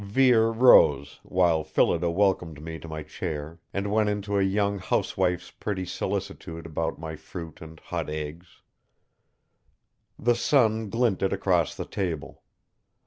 Vere rose while Phillida welcomed me to my chair and went into a young housewife's pretty solicitude about my fruit and hot eggs. The sun glinted across the table.